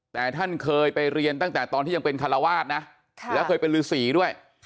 แต่ท่านเคยไปเรียนตั้งแต่ตอนที่ยังเป็นคาราวาสนะแล้วเคยเป็นฤษีด้วย